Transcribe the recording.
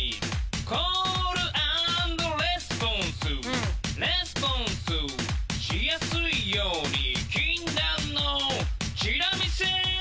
「コールアンドレスポンス」「レスポンスしやすいように」「禁断のチラ見せ」